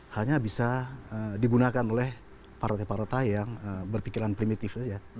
hanya bisa digunakan oleh partai partai yang berpikiran primitif saja